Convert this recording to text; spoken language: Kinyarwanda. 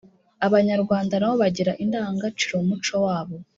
abanyarwanda na bo bagira indangagaciro mu muco wabo.